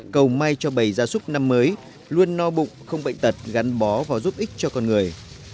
cầu may cho bày gia súc năm mới luôn no bụng không bệnh tật gắn bó và giúp ích cho con người